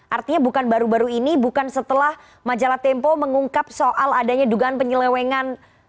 artinya bukan baru baru ini bukan setelah majalah tempo mengungkap soal adanya dugaan penyelewengan